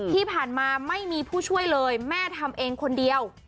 ที่ผ่านมาไม่มีผู้ช่วยเลยแม่ทำเองคนเดียว